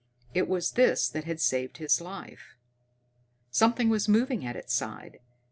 It was this that had saved his life. Something was moving at his side.